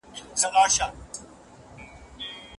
مشاور او لارښود کلمې له نورو سره ورته والی لري.